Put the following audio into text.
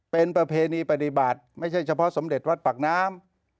เป็นประเพณีปฏิบัติไม่ใช่เฉพาะสมเด็จวัดปากน้ำ